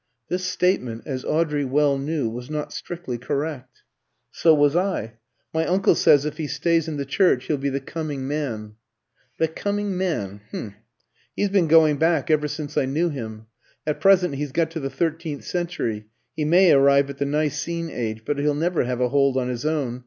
This statement, as Audrey well knew, was not strictly correct. "So was I. My uncle says if he stays in the church he'll be the coming man." "The coming man? H'm. He's been going back ever since I knew him. At present he's got to the thirteenth century; he may arrive at the Nicene age, but he'll never have a hold on his own.